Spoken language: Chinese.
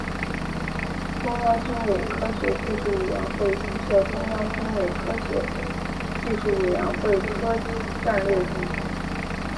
中央军委科学技术委员会新设中央军委科学技术委员会科技战略局。